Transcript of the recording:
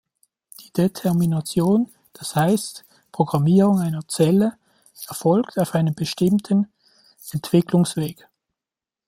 Die Determination, das heißt Programmierung einer Zelle erfolgt auf einem bestimmten Entwicklungsweg.